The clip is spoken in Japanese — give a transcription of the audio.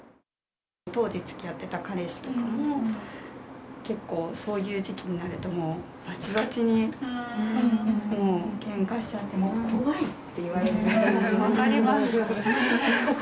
当時、つきあってた彼氏とかも、結構、そういう時期になると、もうばちばちにもう、けんかしちゃって、もう怖いって言われちゃ分かります。